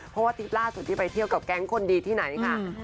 เพราะว่าทริปล่าสุดที่ไปเที่ยวกับแก๊งคนดีที่ไหนค่ะ